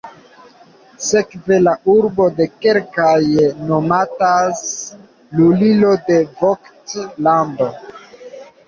Sekve la urbo de kelkaj nomatas lulilo de Vogt-lando.